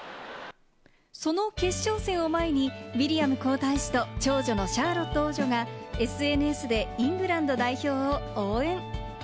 その決勝戦を前に、ウィリアム皇太子と長女のシャーロット王女がＳＮＳでイングランド代表を応援。